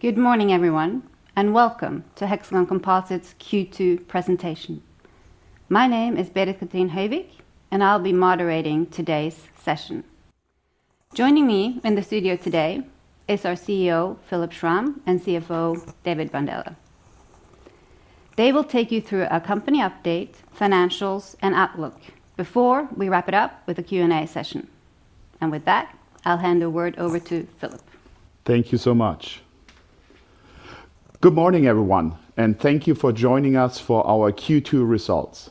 Good morning, everyone, and welcome to Hexagon Composites' Q2 Presentation. My name is Berit-Cathrin Høyvik, and I'll be moderating today's session. Joining me in the studio today is our CEO, Philipp Schramm, and CFO, David Bandele. They will take you through our company update, financials, and outlook before we wrap it up with a Q&A session. With that, I'll hand the word over to Philipp. Thank you so much. Good morning, everyone, and thank you for joining us for our Q2 results.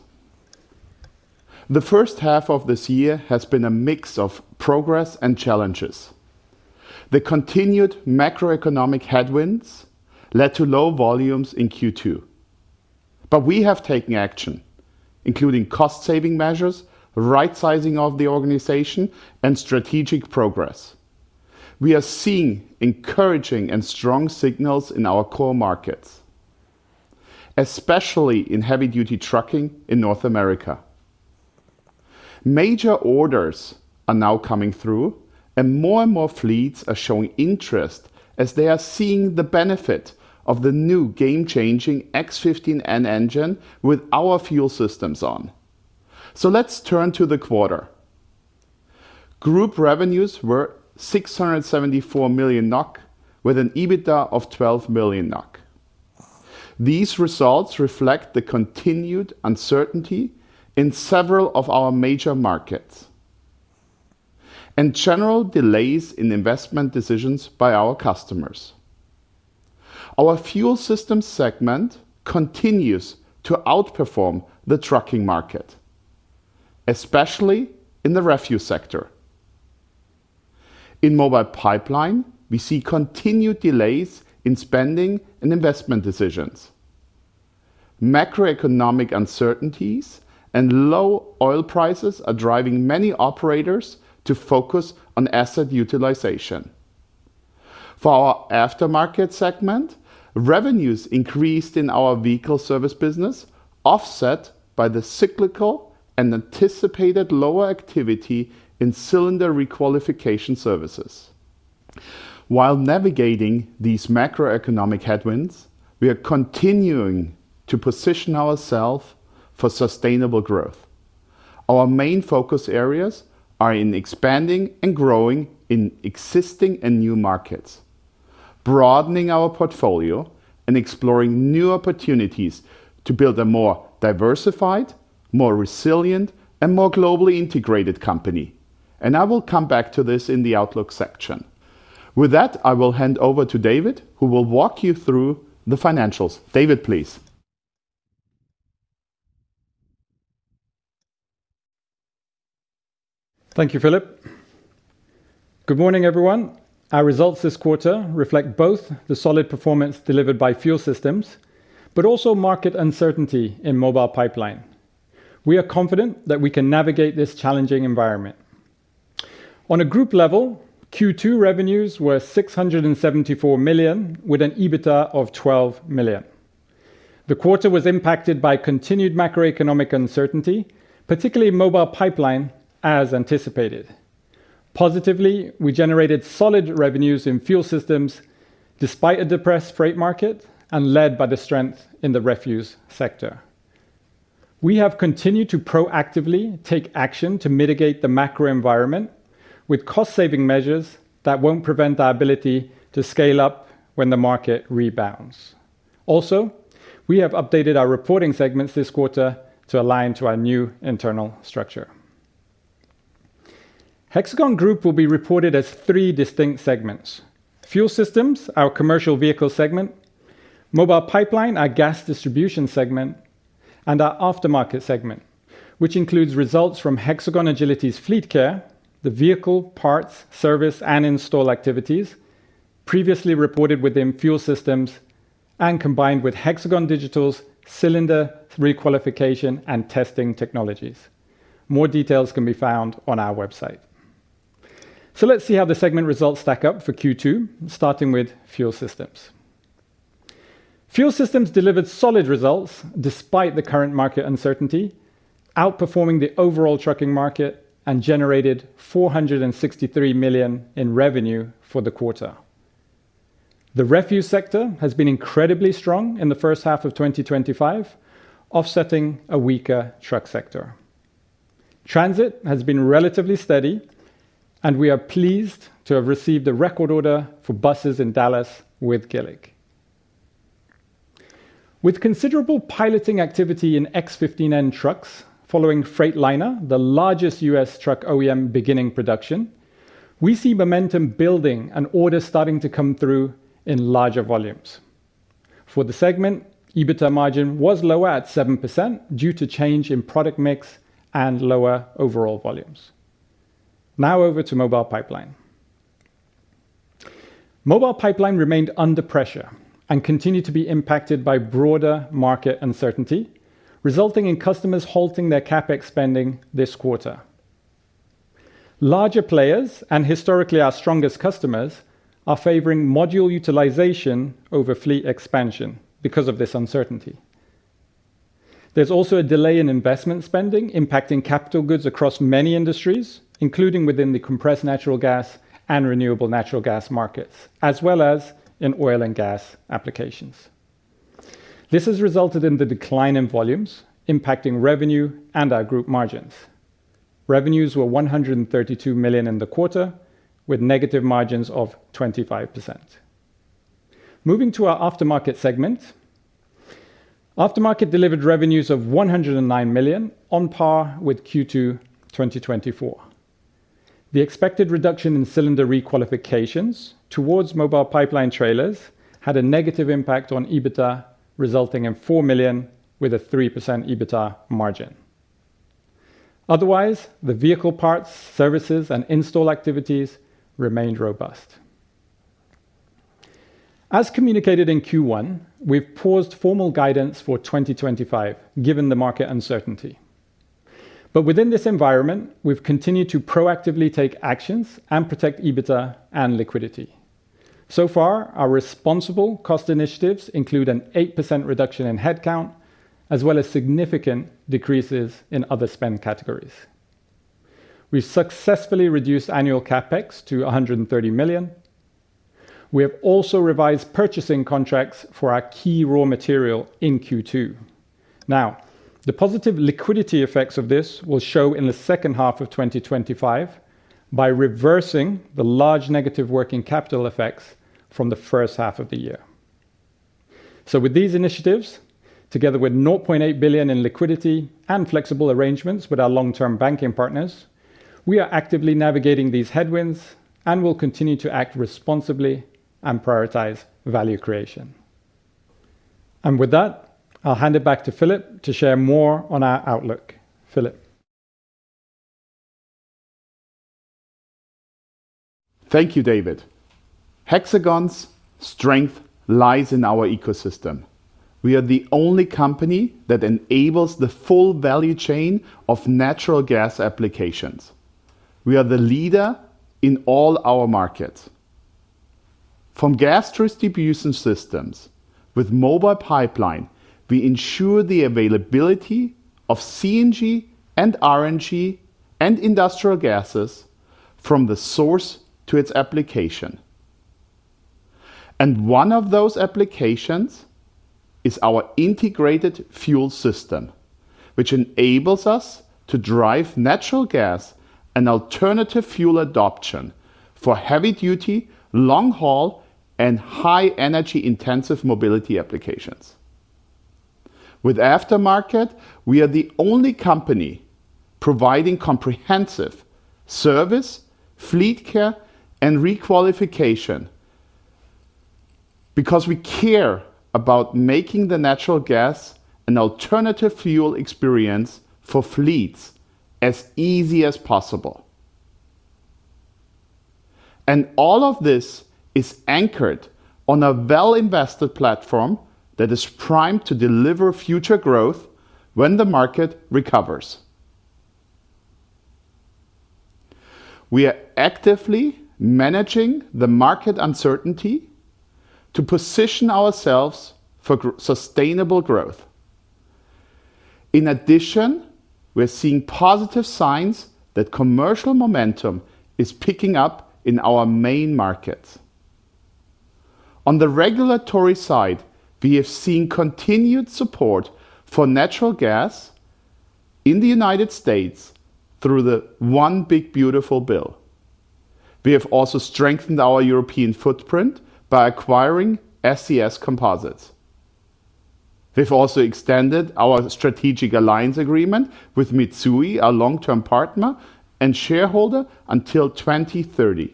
The first half of this year has been a mix of progress and challenges. The continued macro-economic headwinds led to low volumes in Q2. We have taken action, including cost-saving measures, right-sizing of the organization, and strategic progress. We are seeing encouraging and strong signals in our core markets, especially in heavy-duty trucking in North America. Major orders are now coming through, and more and more fleets are showing interest as they are seeing the benefit of the new game-changing X15N engine with our fuel systems on. Let's turn to the quarter. Group revenues were 674 million NOK, with an EBITDA of 12 million NOK. These results reflect the continued uncertainty in several of our major markets and general delays in investment decisions by our customers. Our Fuel Systems segment continues to outperform the trucking market, especially in the refuse sector. In Mobile Pipeline, we see continued delays in spending and investment decisions. Macro-economic uncertainties and low oil prices are driving many operators to focus on asset utilization. For our aftermarket segment, revenues increased in our vehicle service business, offset by the cyclical and anticipated lower activity in cylinder requalification services. While navigating these macro-economic headwinds, we are continuing to position ourselves for sustainable growth. Our main focus areas are in expanding and growing in existing and new markets, broadening our portfolio, and exploring new opportunities to build a more diversified, more resilient, and more globally integrated company. I will come back to this in the outlook section. With that, I will hand over to David, who will walk you through the financials. David, please. Thank you, Philipp. Good morning, everyone. Our results this quarter reflect both the solid performance delivered by Fuel Systems, but also market uncertainty in Mobile Pipeline. We are confident that we can navigate this challenging environment. On a group level, Q2 revenues were 674 million, with an EBITDA of 12 million. The quarter was impacted by continued macro-economic uncertainty, particularly in Mobile Pipeline, as anticipated. Positively, we generated solid revenues in Fuel Systems despite a depressed freight market and led by the strength in the refuse sector. We have continued to proactively take action to mitigate the macro environment with cost-saving measures that won't prevent our ability to scale up when the market rebounds. Also, we have updated our reporting segments this quarter to align to our new internal structure. Hexagon Group will be reported as three distinct segments: Fuel Systems, our commercial vehicle segment; Mobile Pipeline, our gas distribution segment; and our aftermarket segment, which includes results from Hexagon Agility's fleet care, the vehicle parts, service, and install activities previously reported within Fuel Systems and combined with Hexagon Digital's cylinder requalification and testing technologies. More details can be found on our website. Let's see how the segment results stack up for Q2, starting with Fuel Systems. Fuel Systems delivered solid results despite the current market uncertainty, outperforming the overall trucking market and generating 463 million in revenue for the quarter. The refuse sector has been incredibly strong in the first half of 2025, offsetting a weaker truck sector. Transit has been relatively steady, and we are pleased to have received the record order for buses in Dallas with Gillick. With considerable piloting activity in X15N trucks following Freightliner, the largest U.S. truck OEM, beginning production, we see momentum building and orders starting to come through in larger volumes. For the segment, EBITDA margin was lower at 7% due to change in product mix and lower overall volumes. Now over to Mobile Pipeline. Mobile Pipeline remained under pressure and continued to be impacted by broader market uncertainty, resulting in customers halting their CAPEX spending this quarter. Larger players and historically our strongest customers are favoring module utilization over fleet expansion because of this uncertainty. There's also a delay in investment spending impacting capital goods across many industries, including within the compressed natural gas and renewable natural gas markets, as well as in oil and gas applications. This has resulted in the decline in volumes, impacting revenue and our group margins. Revenues were 132 million in the quarter, with negative margins of 25%. Moving to our aftermarket segment, aftermarket delivered revenues of 109 million, on par with Q2 2024. The expected reduction in cylinder requalifications towards Mobile Pipeline trailers had a negative impact on EBITDA, resulting in 4 million with a 3% EBITDA margin. Otherwise, the vehicle parts, services, and install activities remained robust. As communicated in Q1, we've paused formal guidance for 2025, given the market uncertainty. Within this environment, we've continued to proactively take actions and protect EBITDA and liquidity. So far, our responsible cost initiatives include an 8% reduction in headcount, as well as significant decreases in other spend categories. We've successfully reduced annual CAPEX to 130 million. We have also revised purchasing contracts for our key raw material in Q2. The positive liquidity effects of this will show in the second half of 2025 by reversing the large negative working capital effects from the first half of the year. With these initiatives, together with 0.8 billion in liquidity and flexible arrangements with our long-term banking partners, we are actively navigating these headwinds and will continue to act responsibly and prioritize value creation. I'll hand it back to Philipp to share more on our outlook. Philipp. Thank you, David. Hexagon's strength lies in our ecosystem. We are the only company that enables the full value chain of natural gas applications. We are the leader in all our markets. From gas distribution systems with Mobile Pipeline, we ensure the availability of CNG and RNG and industrial gases from the source to its application. One of those applications is our integrated fuel system, which enables us to drive natural gas and alternative fuel adoption for heavy-duty, long-haul, and high-energy-intensive mobility applications. With aftermarket, we are the only company providing comprehensive service, fleet care, and requalification because we care about making the natural gas and alternative fuel experience for fleets as easy as possible. All of this is anchored on a well-invested platform that is primed to deliver future growth when the market recovers. We are actively managing the market uncertainty to position ourselves for sustainable growth. In addition, we're seeing positive signs that commercial momentum is picking up in our main markets. On the regulatory side, we have seen continued support for natural gas in the United States through the One Big Beautiful Bill. We have also strengthened our European footprint by acquiring SCS Composites. We've also extended our strategic alliance agreement with Mitsui, our long-term partner and shareholder, until 2030.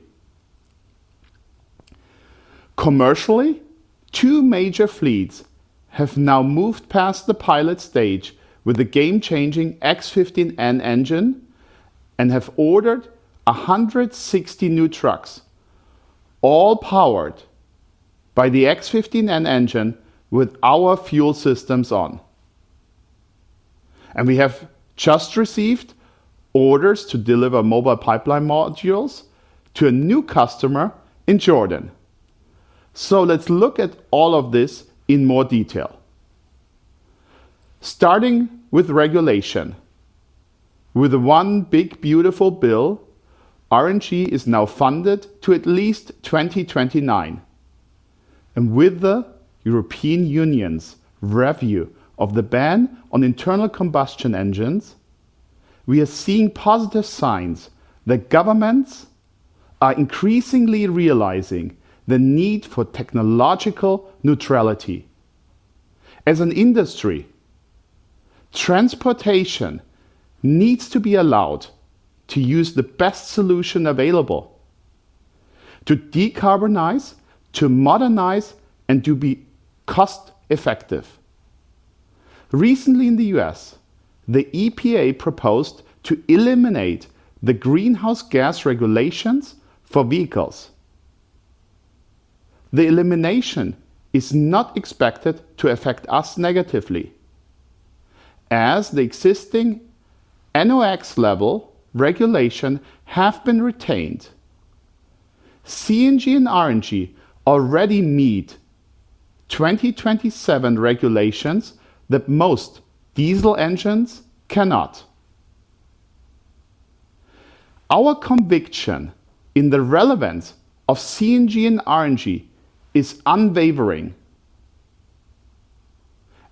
Commercially, two major fleets have now moved past the pilot stage with a game-changing X15N engine and have ordered 160 new trucks, all powered by the X15N engine with our fuel systems on. We have just received orders to deliver Mobile Pipeline modules to a new customer in Jordan. Let's look at all of this in more detail. Starting with regulation. With One Big Beautiful Bill, RNG is now funded to at least 2029. With the European Union's review of the ban on internal combustion engines, we are seeing positive signs that governments are increasingly realizing the need for technological neutrality. As an industry, transportation needs to be allowed to use the best solution available to decarbonize, to modernize, and to be cost-effective. Recently, in the U.S., the EPA proposed to eliminate the greenhouse gas regulations for vehicles. The elimination is not expected to affect us negatively, as the existing NOx level regulations have been retained. CNG and RNG already meet 2027 regulations that most diesel engines cannot. Our conviction in the relevance of CNG and RNG is unwavering,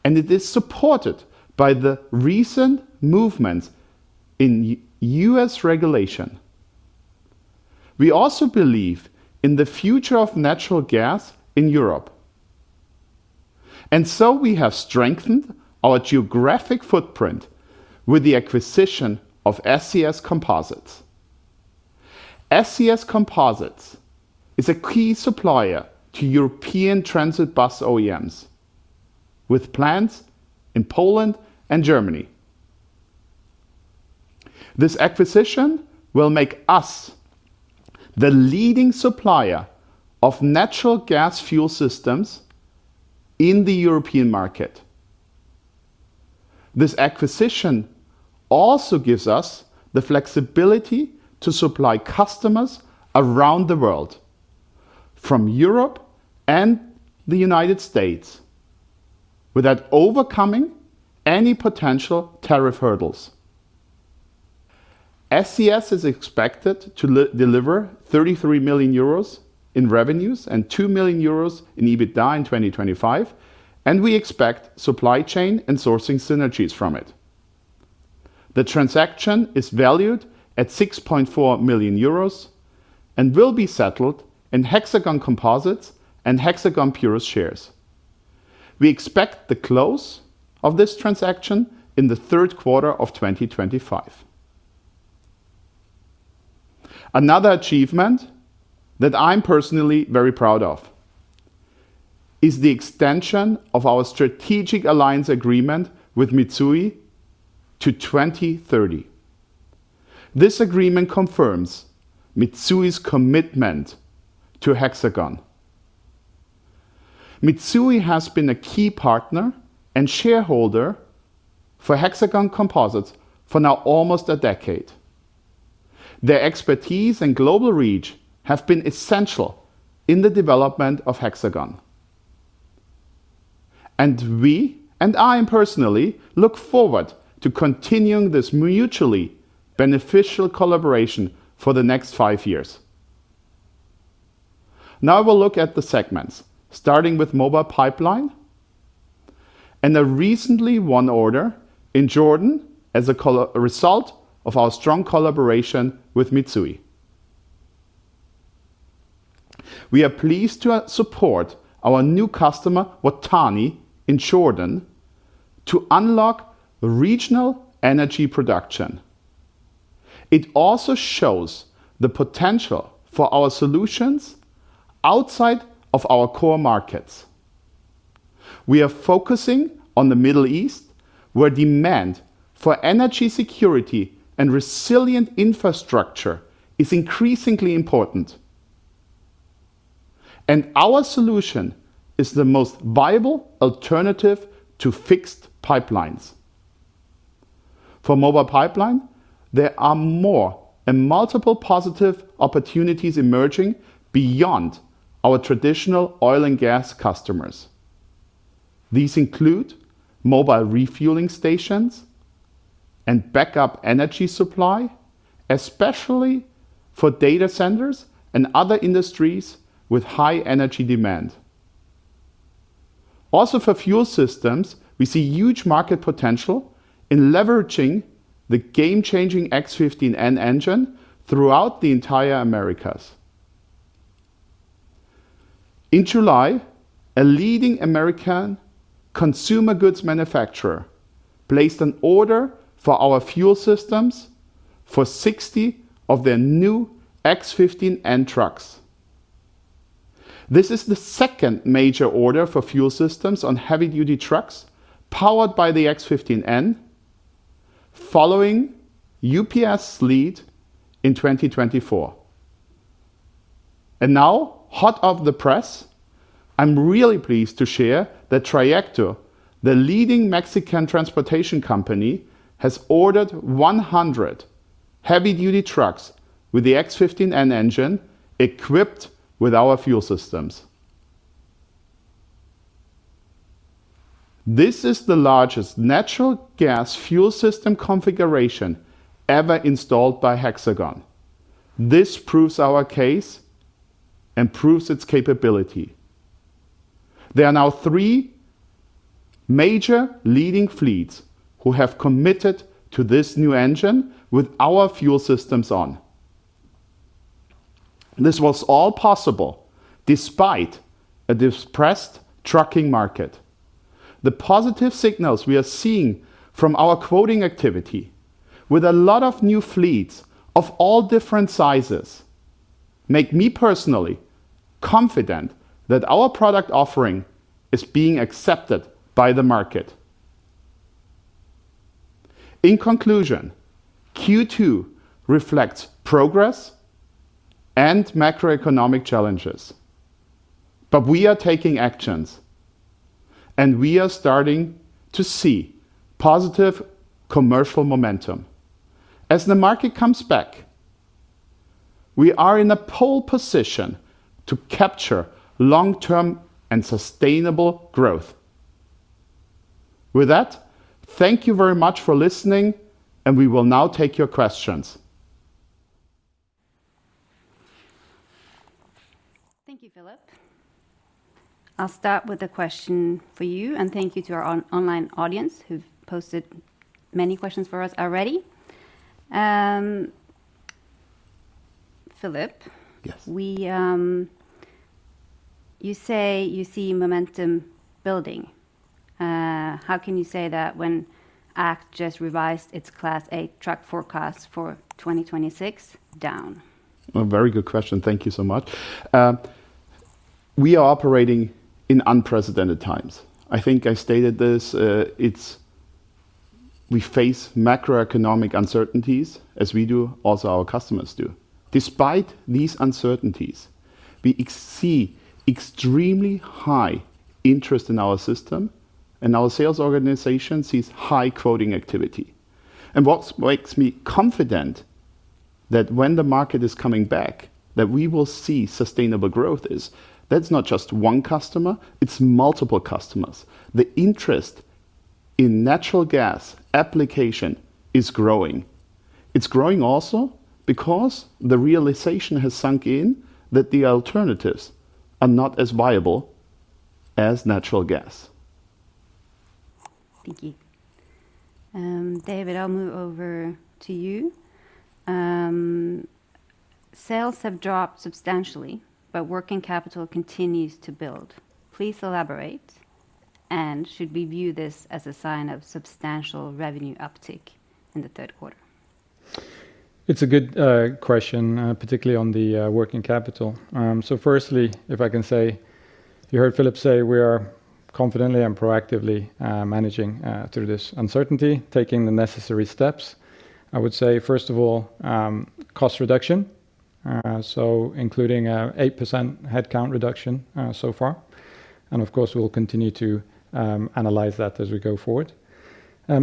and it is supported by the recent movements in U.S. regulation. We also believe in the future of natural gas in Europe. We have strengthened our geographic footprint with the acquisition of SCS Composites. SCS Composites is a key supplier to European transit bus OEMs with plants in Poland and Germany. This acquisition will make us the leading supplier of natural gas fuel systems in the European market. This acquisition also gives us the flexibility to supply customers around the world, from Europe and the United States, without overcoming any potential tariff hurdles. SCS is expected to deliver €33 million in revenues and €2 million in EBITDA in 2025, and we expect supply chain and sourcing synergies from it. The transaction is valued at €6.4 million and will be settled in Hexagon Composites and Hexagon Puros shares. We expect the close of this transaction in the third quarter of 2025. Another achievement that I'm personally very proud of is the extension of our strategic alliance agreement with Mitsui to 2030. This agreement confirms Mitsui's commitment to Hexagon. Mitsui has been a key partner and shareholder for Hexagon Composites for now almost a decade. Their expertise and global reach have been essential in the development of Hexagon. I personally look forward to continuing this mutually beneficial collaboration for the next five years. Now I will look at the segments, starting with Mobile Pipeline and a recently won order in Jordan as a result of our strong collaboration with Mitsui. We are pleased to support our new customer, Watani in Jordan, to unlock regional energy production. It also shows the potential for our solutions outside of our core markets. We are focusing on the Middle East, where demand for energy security and resilient infrastructure is increasingly important. Our solution is the most viable alternative to fixed pipelines. For Mobile Pipeline, there are more and multiple positive opportunities emerging beyond our traditional oil and gas customers. These include mobile refueling stations and backup energy supply, especially for data centers and other industries with high energy demand. For fuel systems, we see huge market potential in leveraging the game-changing X15N engine throughout the entire Americas. In July, a leading American consumer goods manufacturer placed an order for our fuel systems for 60 of their new X15N trucks. This is the second major order for fuel systems on heavy-duty trucks powered by the X15N, following UPS's lead in 2024. Now, hot off the press, I'm really pleased to share that Trajecto, the leading Mexican transportation company, has ordered 100 heavy-duty trucks with the X15N engine equipped with our fuel systems. This is the largest natural gas fuel system configuration ever installed by Hexagon. This proves our case and proves its capability. There are now three major leading fleets who have committed to this new engine with our fuel systems on. This was all possible despite a depressed trucking market. The positive signals we are seeing from our quoting activity with a lot of new fleets of all different sizes make me personally confident that our product offering is being accepted by the market. In conclusion, Q2 reflects progress and macro-economic challenges. We are taking actions, and we are starting to see positive commercial momentum. As the market comes back, we are in a pole position to capture long-term and sustainable growth. With that, thank you very much for listening, and we will now take your questions. Thank you, Philipp. I'll start with a question for you, and thank you to our online audience who've posted many questions for us already. Philipp. Yes. You say you see momentum building. How can you say that when ACT just revised its Class A truck forecast for 2026, down? A very good question. Thank you so much. We are operating in unprecedented times. I think I stated this. We face macro-economic uncertainties, as we do, also our customers do. Despite these uncertainties, we see extremely high interest in our system, and our sales organization sees high quoting activity. What makes me confident is that when the market is coming back, we will see sustainable growth. That's not just one customer. It's multiple customers. The interest in natural gas application is growing. It's growing also because the realization has sunk in that the alternatives are not as viable as natural gas. Thank you. David, I'll move over to you. Sales have dropped substantially, but working capital continues to build. Please elaborate. Should we view this as a sign of substantial revenue uptick in the third quarter? It's a good question, particularly on the working capital. Firstly, if I can say, you heard Philipp say we are confidently and proactively managing through this uncertainty, taking the necessary steps. I would say, first of all, cost reduction, including an 8% headcount reduction so far. Of course, we'll continue to analyze that as we go forward.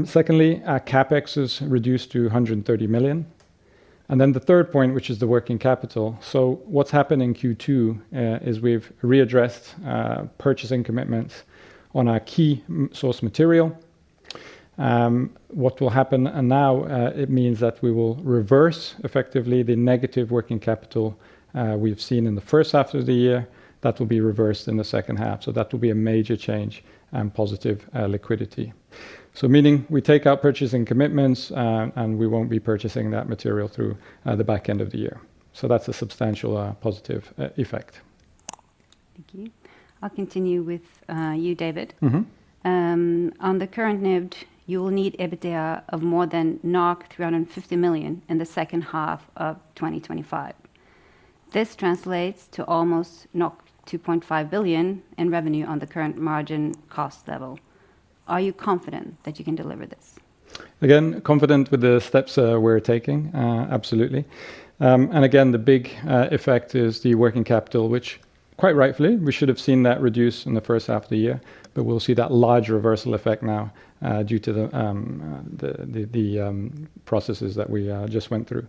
Secondly, our CAPEX is reduced to 130 million. The third point, which is the working capital. What's happened in Q2 is we've readdressed purchasing commitments on our key source material. What will happen now, it means that we will reverse effectively the negative working capital we've seen in the first half of the year. That will be reversed in the second half. That will be a major change and positive liquidity, meaning we take our purchasing commitments, and we won't be purchasing that material through the back end of the year. That's a substantial positive effect. Thank you. I'll continue with you, David. On the current NIBD, you will need EBITDA of more than 350 million in the second half of 2025. This translates to almost 2.5 billion in revenue on the current margin cost level. Are you confident that you can deliver this? Again, confident with the steps we're taking, absolutely. The big effect is the working capital, which quite rightfully, we should have seen that reduced in the first half of the year, but we'll see that larger reversal effect now due to the processes that we just went through.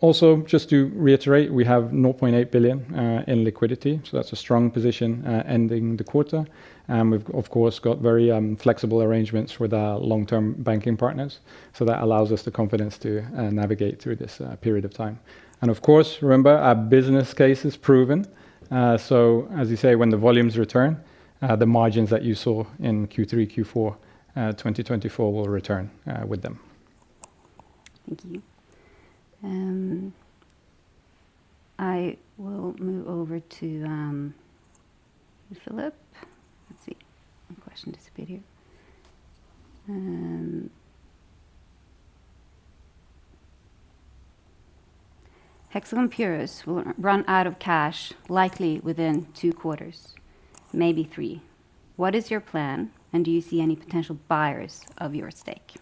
Also, just to reiterate, we have 0.8 billion in liquidity. That's a strong position ending the quarter. We've, of course, got very flexible arrangements with our long-term banking partners. That allows us the confidence to navigate through this period of time. Of course, remember, our business case is proven. As you say, when the volumes return, the margins that you saw in Q3, Q4 2024 will return with them. Thank you. I will move over to Philipp. Let's see. My question disappeared here. Hexagon Purus will run out of cash likely within two quarters, maybe three. What is your plan, and do you see any potential buyers of your stake?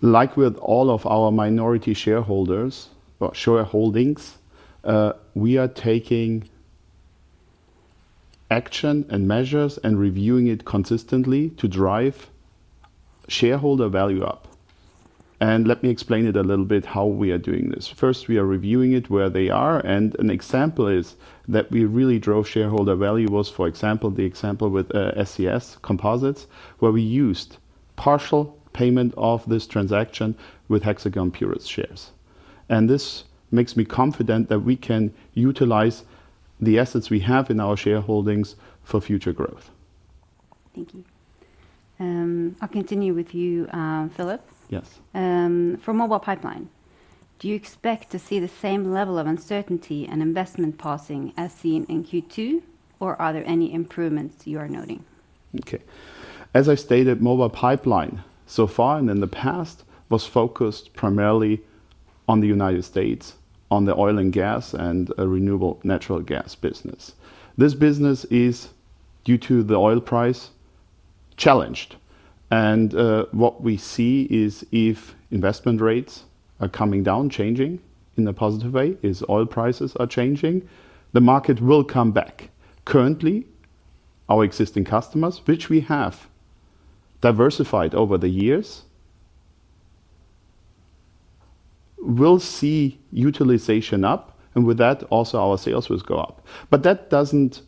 Like with all of our minority shareholdings, we are taking action and measures and reviewing it consistently to drive shareholder value up. Let me explain it a little bit how we are doing this. First, we are reviewing it where they are, and an example is that we really drove shareholder value was, for example, the example with SCS Composites, where we used partial payment of this transaction with Hexagon Puros shares. This makes me confident that we can utilize the assets we have in our shareholdings for future growth. Thank you. I'll continue with you, Philipp. Yes. For Mobile Pipeline, do you expect to see the same level of uncertainty and investment passing as seen in Q2, or are there any improvements you are noting? Okay. As I stated, the Mobile Pipeline so far and in the past was focused primarily on the United States, on the oil and gas and renewable natural gas business. This business is, due to the oil price, challenged. What we see is if investment rates are coming down, changing in a positive way, as oil prices are changing, the market will come back. Currently, our existing customers, which we have diversified over the years, will see utilization up, and with that, also our sales will go up. That doesn't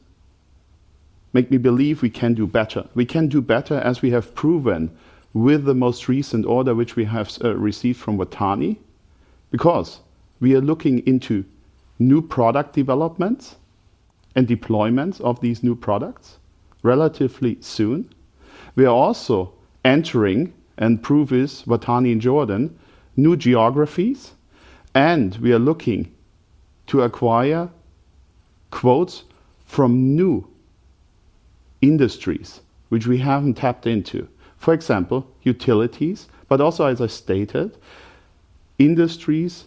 make me believe we can do better. We can do better as we have proven with the most recent order which we have received from Watani because we are looking into new product developments and deployments of these new products relatively soon. We are also entering, and prove is, Watani in Jordan, new geographies, and we are looking to acquire quotes from new industries, which we haven't tapped into. For example, utilities, but also, as I stated, industries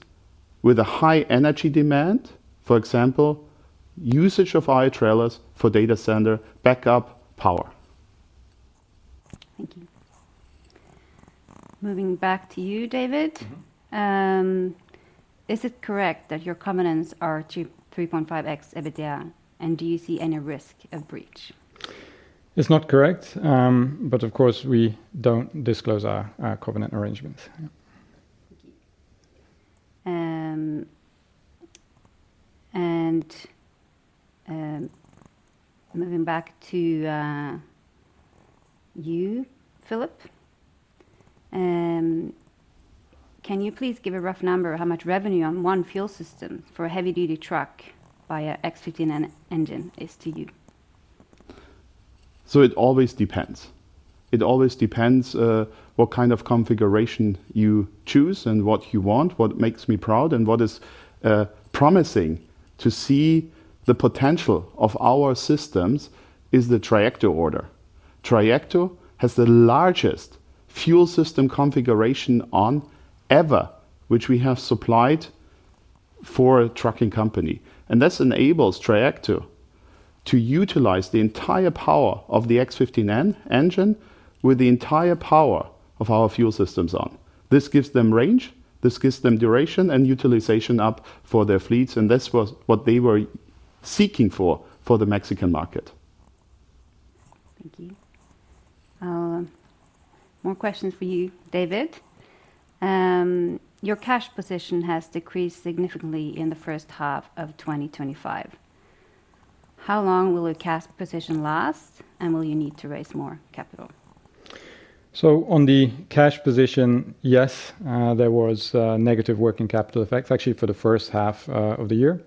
with a high energy demand, for example, usage of our trailers for data center backup power. Thank you. Moving back to you, David. Is it correct that your covenants are 3.5x EBITDA, and do you see any risk of breach? It's not correct, but of course, we don't disclose our covenant arrangements. Thank you. Moving back to you, Philipp, can you please give a rough number of how much revenue on one fuel system for a heavy-duty truck via X15N engine is to you? It always depends. It always depends what kind of configuration you choose and what you want. What makes me proud and what is promising to see, the potential of our systems is the Trajecto order. Trajecto has the largest fuel system configuration on ever, which we have supplied for a trucking company. This enables Trajecto to utilize the entire power of the X15N engine with the entire power of our fuel systems. This gives them range, this gives them duration and utilization for their fleets, and that's what they were seeking for the Mexican market. Thank you. More questions for you, David. Your cash position has decreased significantly in the first half of 2025. How long will a cash position last, and will you need to raise more capital? On the cash position, yes, there was negative working capital effects for the first half of the year.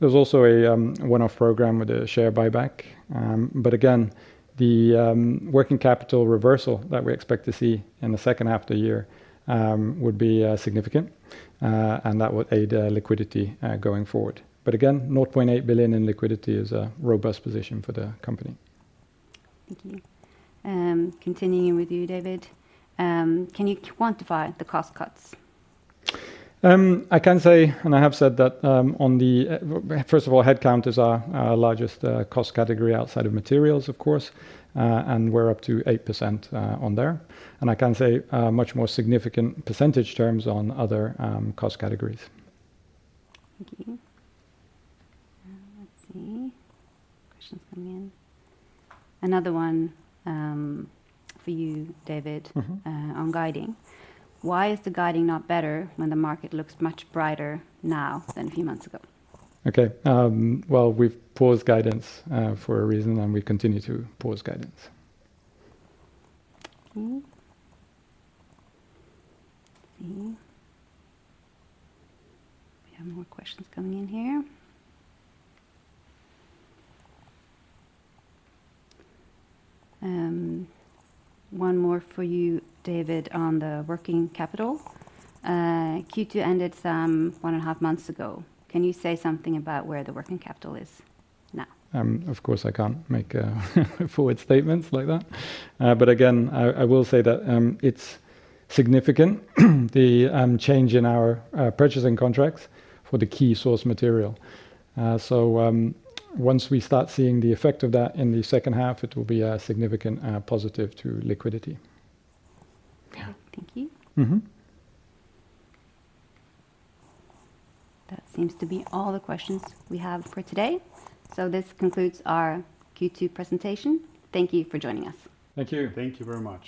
There is also a one-off program with a share buyback. Again, the working capital reversal that we expect to see in the second half of the year would be significant, and that would aid liquidity going forward. Again, 0.8 billion in liquidity is a robust position for the company. Thank you. Continuing with you, David. Can you quantify the cost cuts? I can say, and I have said that, first of all, headcount is our largest cost category outside of materials, of course, and we're up to 8% on there. I can say much more significant percentage terms on other cost categories. Let's see. Questions coming in. Another one for you, David, on guiding. Why is the guiding not better when the market looks much brighter now than a few months ago? Okay. We've paused guidance for a reason, and we've continued to pause guidance. Thank you. We have more questions coming in here. One more for you, David, on the working capital. Q2 ended some one and a half months ago. Can you say something about where the working capital is now? Of course, I can't make forward statements like that. I will say that it's significant. The change in our purchasing contracts with the key source material, once we start seeing the effect of that in the second half, it will be a significant positive to liquidity. Thank you. That seems to be all the questions we have for today. This concludes our Q2 presentation. Thank you for joining us. Thank you. Thank you very much.